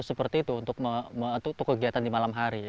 seperti itu untuk kegiatan di malam hari